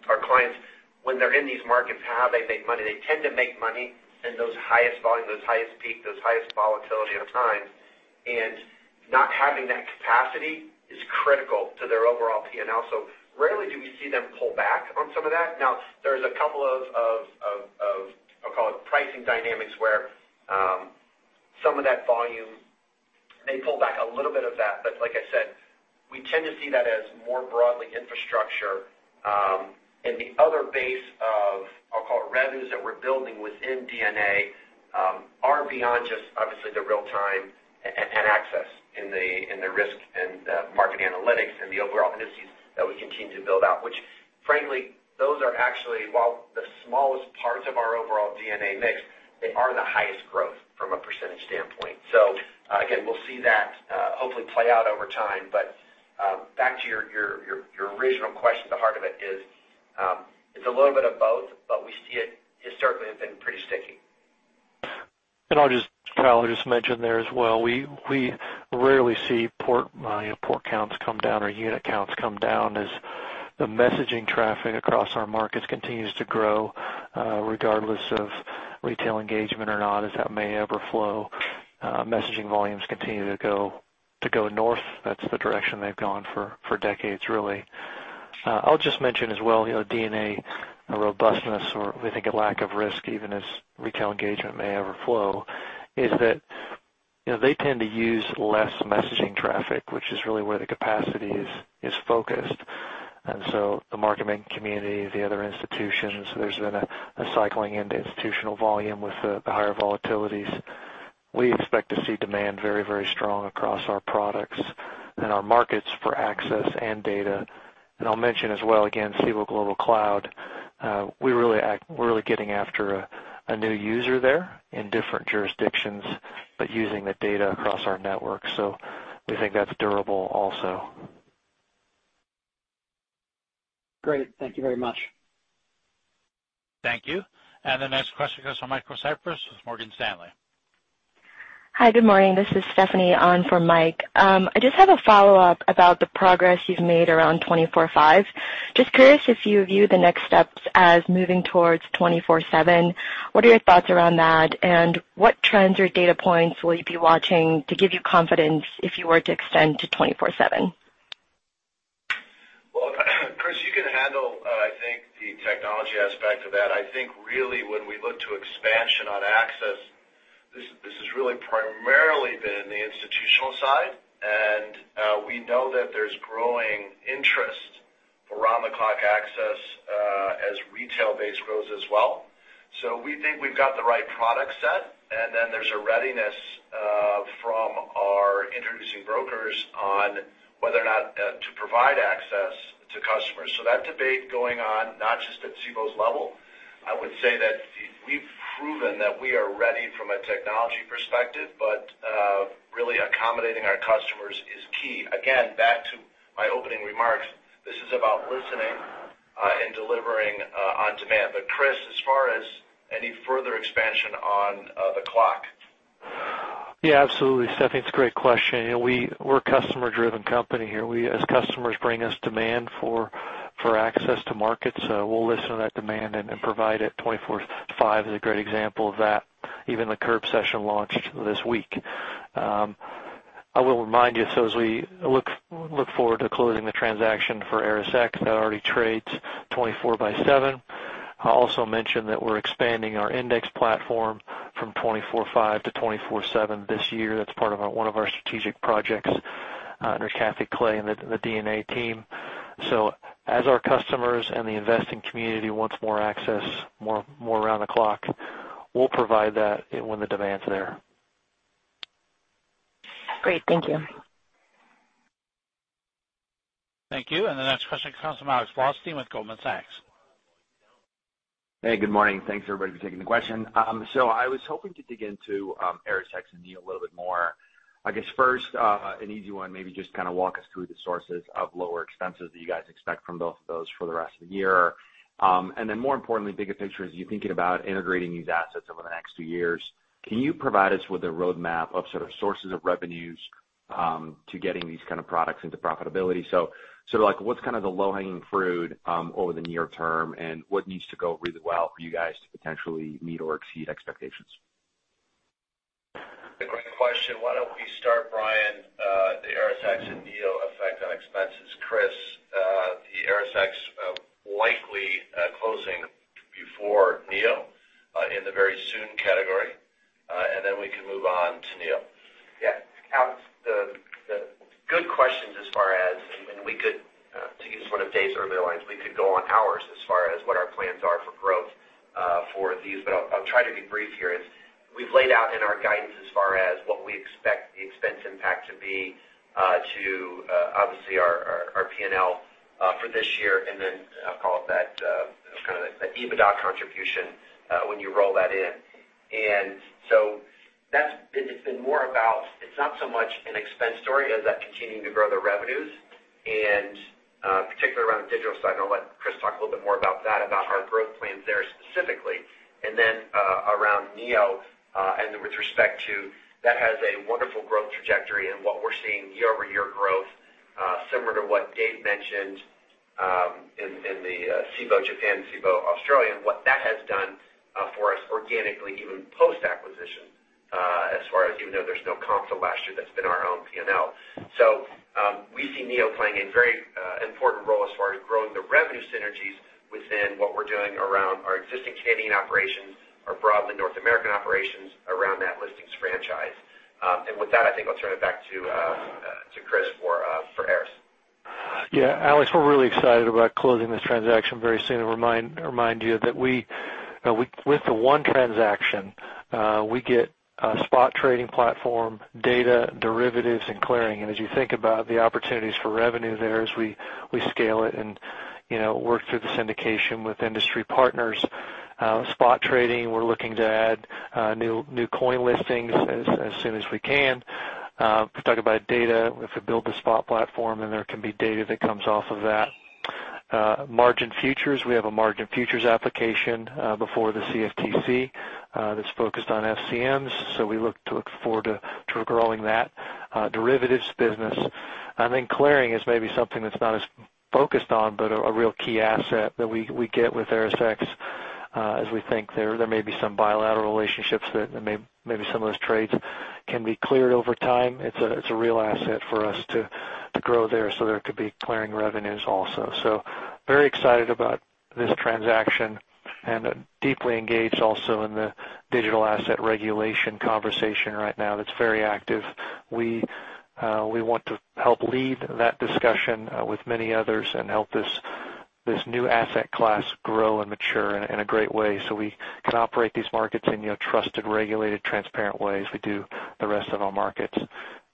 our clients, when they're in these markets, how they make money. They tend to make money in those highest volume, those highest peak, those highest volatility at times. Not having that capacity is critical to their overall P&L. Rarely do we see them pull back on some of that. Now, there's a couple of, I'll call it pricing dynamics, where some of that volume may pull back a little bit of that. But like I said, we tend to see that as more broadly infrastructure. The other base of, I'll call it revenues that we're building within D&A, are beyond just obviously the real time and access in the risk and the market analytics and the overall indices that we continue to build out, which frankly, those are actually, while the smallest parts of our overall D&A mix, they are the highest growth from a percentage standpoint. Again, we'll see that hopefully play out over time. Back to your original question, the heart of it is, it's a little bit of both, but we see it as certainly has been pretty sticky. Kyle, I'll just mention there as well, we rarely see port, you know, port counts come down or unit counts come down as the messaging traffic across our markets continues to grow, regardless of retail engagement or not, as that may ever flow. Messaging volumes continue to go north. That's the direction they've gone for decades, really. I'll just mention as well, you know, D&A robustness or we think a lack of risk, even as retail engagement may ever flow, is that, you know, they tend to use less messaging traffic, which is really where the capacity is focused. The market making community, the other institutions, there's been a cycling into institutional volume with the higher volatilities. We expect to see demand very, very strong across our products and our markets for access and data. I'll mention as well, again, Cboe Global Cloud, we're really getting after a new user there in different jurisdictions, but using the data across our network, so we think that's durable also. Great. Thank you very much. Thank you. The next question goes from Michael Cyprys with Morgan Stanley. Hi, good morning. This is Stephanie on for Mike. I just have a follow-up about the progress you've made around 24/5. Just curious if you view the next steps as moving towards 24/7. What are your thoughts around that? What trends or data points will you be watching to give you confidence if you were to extend to 24/7? Well, Chris, you can handle, I think the technology aspect of that. I think really when we look to expansion on access, this has really primarily been in the institutional side. We know that there's growing interest around-the-clock access, as retail base grows as well. We think we've got the right product set, and then there's a readiness from our introducing brokers on whether or not to provide access to customers. That debate going on, not just at Cboe's level. I would say that we've proven that we are ready from a technology perspective, but really accommodating our customers is key. Again, back to my opening remarks, this is about listening and delivering on demand. Chris, as far as any further expansion on the clock. Yeah, absolutely. Stephanie, it's a great question. You know, we're a customer-driven company here. As customers bring us demand for access to markets, we'll listen to that demand and provide it. 24/5 is a great example of that. Even the curb session launched this week. I will remind you, so as we look forward to closing the transaction for ErisX, that already trades 24/7. I'll also mention that we're expanding our index platform from 24/5 to 24/7 this year. That's part of our one of our strategic projects under Catherine Clay and the D&A team. So as our customers and the investing community wants more access, more around the clock, we'll provide that when the demand's there. Great. Thank you. Thank you. The next question comes from Alex Blostein with Goldman Sachs. Hey, good morning. Thanks, everybody, for taking the question. I was hoping to dig into ErisX and NEO a little bit more. I guess first, an easy one, maybe just kinda walk us through the sources of lower expenses that you guys expect from both of those for the rest of the year. More importantly, bigger picture, as you're thinking about integrating these assets over the next two years, can you provide us with a roadmap of sort of sources of revenues to getting these kind of products into profitability? Sort of like, what's kind of the low-hanging fruit over the near term, and what needs to go really well for you guys to potentially meet or exceed expectations? Great question. Why don't we start, Brian, the ErisX and NEO effect on expenses. Chris, the ErisX, likely, closing before NEO, in the very soon category, and then we can move on to NEO. Yeah. Alex, the good questions as far as. We could, to use one of Dave's earlier lines, go on for hours as far as what our plans are for growth for these. I'll try to be brief here. We've laid out in our guidance as far as what we expect the expense impact to be to obviously our P&L for this year, and then I'll call it that kind of the EBITDA contribution when you roll that in. That's been. It's been more about. It's not so much an expense story as that continuing to grow their revenues, particularly around the digital side, and I'll let Chris talk a little bit more about that, about our growth plans there specifically. Around NEO, and with respect to that has a wonderful growth trajectory and what we're seeing year-over-year growth, similar to what Dave mentioned, in the Cboe Japan, Cboe Australia, and what that has done for us organically, even post-acquisition, as far as even though there's no comp to last year, that's been our own P&L. We see NEO playing a very important role as far as growing the revenue synergies within what we're doing around our existing Canadian operations or broadly North American operations around that listings franchise. With that, I think I'll turn it back to Chris for Eris. Yeah. Alex, we're really excited about closing this transaction very soon. Remind you that we with the one transaction we get a spot trading platform, data, derivatives, and clearing. As you think about the opportunities for revenue there as we scale it and, you know, work through the syndication with industry partners. Spot trading, we're looking to add new coin listings as soon as we can. If we talk about data, if we build the spot platform, then there can be data that comes off of that. Margin futures. We have a margin futures application before the CFTC, that's focused on FCMs, so we look forward to growing that derivatives business. Clearing is maybe something that's not as focused on, but a real key asset that we get with ErisX, as we think there may be some bilateral relationships that maybe some of those trades can be cleared over time. It's a real asset for us to grow there, so there could be clearing revenues also. Very excited about this transaction, and deeply engaged also in the digital asset regulation conversation right now that's very active. We want to help lead that discussion with many others and help this new asset class grow and mature in a great way, so we can operate these markets in, you know, trusted, regulated, transparent ways we do the rest of our markets.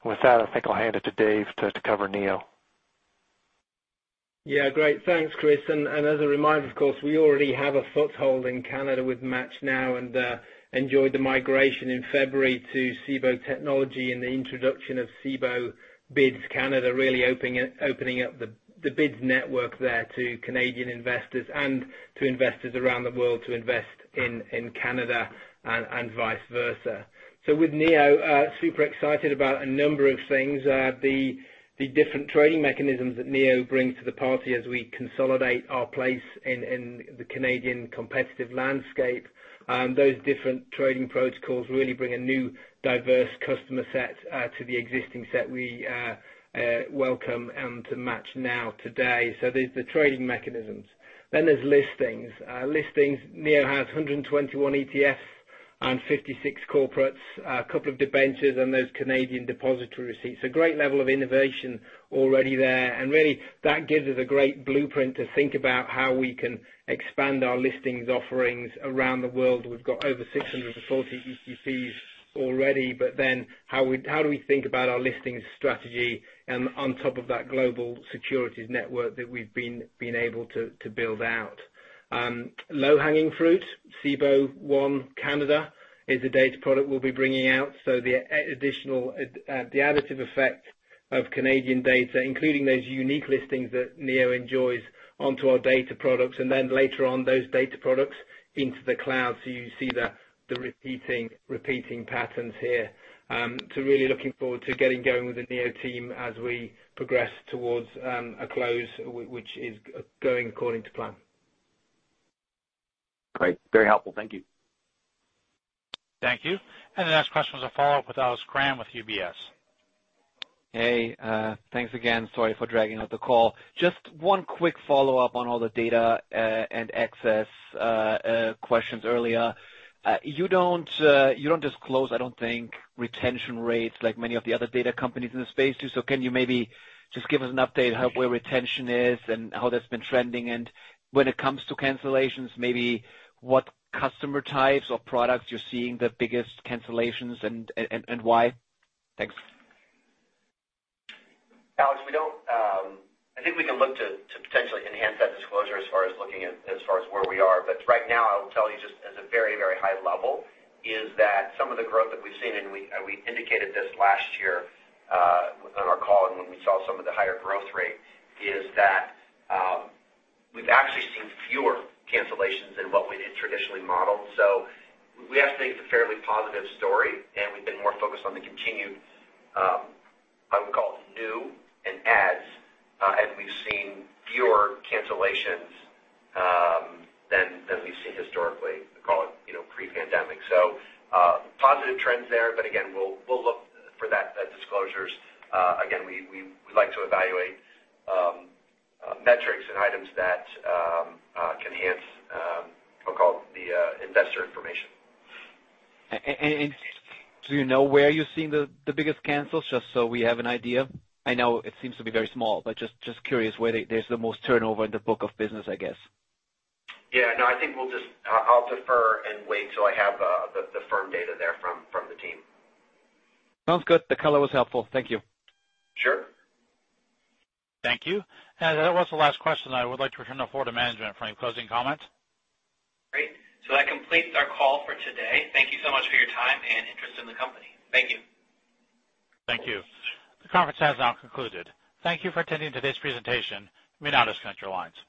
With that, I think I'll hand it to David Howson to cover NEO. Yeah. Great. Thanks, Chris. As a reminder, of course, we already have a foothold in Canada with MATCHNow and enjoyed the migration in February to Cboe Technology and the introduction of Cboe BIDS Canada really opening up the BIDS network there to Canadian investors and to investors around the world to invest in Canada and vice versa. With NEO, super excited about a number of things. The different trading mechanisms that NEO brings to the party as we consolidate our place in the Canadian competitive landscape. Those different trading protocols really bring a new diverse customer set to the existing set we welcome to MATCHNow today. There's the trading mechanisms. Then there's listings. Listings, NEO has 121 ETFs and 56 corporates, a couple of debentures and those Canadian Depositary Receipts. A great level of innovation already there. Really, that gives us a great blueprint to think about how we can expand our listings offerings around the world. We've got over 640 ETPs already, but then how do we think about our listings strategy and on top of that global securities network that we've been able to build out. Low-hanging fruit. Cboe One Canada is a data product we'll be bringing out. The additive effect of Canadian data, including those unique listings that NEO enjoys, onto our data products, and then later on, those data products into the cloud. You see the repeating patterns here. Really looking forward to getting going with the NEO team as we progress towards a close, which is going according to plan. Great. Very helpful. Thank you. Thank you. The next question is a follow-up with Alex Kramm with UBS. Hey, thanks again. Sorry for dragging out the call. Just one quick follow-up on all the data and access questions earlier. You don't disclose, I don't think, retention rates like many of the other data companies in the space do. Can you maybe just give us an update how where retention is and how that's been trending? When it comes to cancellations, maybe what customer types or products you're seeing the biggest cancellations and why? Thanks. Alex, we don't. I think we can look to potentially enhance that disclosure as far as where we are. Right now, I'll tell you just at a very high level is that some of the growth that we've seen, and we indicated this last year on our call and when we saw some of the higher growth rate, we've actually seen fewer cancellations than what we'd traditionally modeled. We actually think it's a fairly positive story, and we've been more focused on the continued, I would call it new and adds, and we've seen fewer cancellations than we've seen historically, call it, you know, pre-pandemic. Positive trends there, but again, we'll look for that, the disclosures. Again, we like to evaluate metrics and items that can enhance. We'll call it the investor information. Do you know where you're seeing the biggest cancels, just so we have an idea? I know it seems to be very small, but just curious where they, there's the most turnover in the book of business, I guess. I'll defer and wait till I have the firm data there from the team. Sounds good. The color was helpful. Thank you. Sure. Thank you. That was the last question. I would like to turn the floor to management for any closing comments. Great. That completes our call for today. Thank you so much for your time and interest in the company. Thank you. Thank you. The conference has now concluded. Thank you for attending today's presentation, Cboe Global Markets.